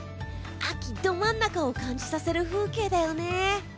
秋ど真ん中を感じさせる風景だよね。